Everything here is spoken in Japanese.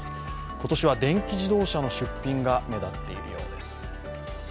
今年は電気自動車の出品が目立っているようです。